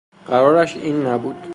قرارش این نبود